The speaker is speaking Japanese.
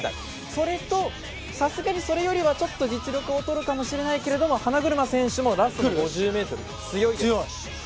それと、さすがにそれよりはちょっと実力が劣るかもしれないけれども花車選手もラスト５０ｍ、強いです。